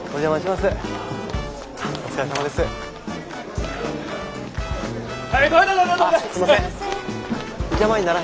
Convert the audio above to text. はい。